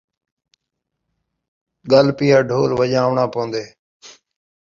ڳل پیا ڈھول وڄاوݨاں پون٘دے